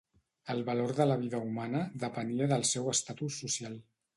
El valor de la vida humana depenia del seu estatus social.